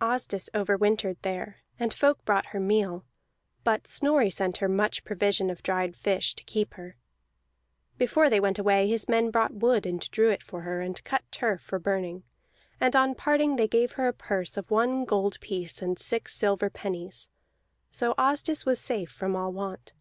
Asdis over wintered there, and folk brought her meal; but Snorri sent her much provision and dried fish, to keep her. Before they went away his men bought wood and drew it for her, and cut turf for burning; and on parting they gave her a purse of one gold piece and six silver pennies, so Asdis was safe from all want.